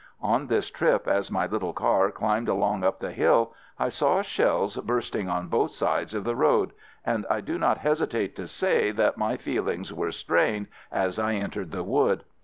On this trip, as my little car climbed along up the hill, I saw shells bursting on both sides of the road, and I do not hesi tate to say that my feelings were strained as I entered the wood.